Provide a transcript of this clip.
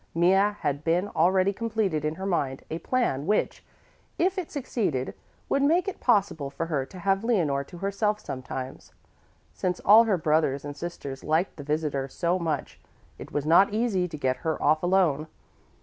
Mea had been already completed in her mind a plan which, if it succeeded, would make it possible for her to have Leonore to herself sometimes. Since all her brothers and sisters liked the visitor so much, it was not easy to get her off alone.